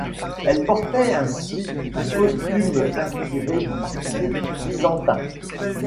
Elle portait ainsi un costume inspiré du style byzantin.